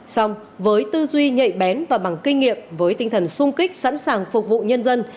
xong với tư duy nhạy bén và bằng kinh nghiệm với tinh thần sung kích sẵn sàng phục vụ nhân dân